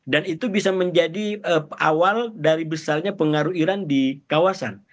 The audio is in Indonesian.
dan itu bisa menjadi awal dari besarnya pengaruh iran di kawasan